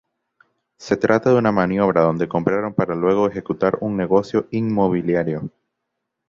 Se trata de una maniobra donde compraron para luego ejecutar un negocio inmobiliario.